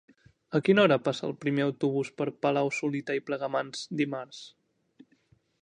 A quina hora passa el primer autobús per Palau-solità i Plegamans dimarts?